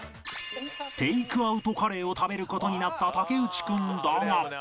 テイクアウトカレーを食べる事になった竹内君だが